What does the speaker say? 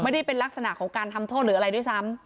ไม่ได้เป็นลักษณะของการทำโทษหรืออะไรด้วยซ้ำ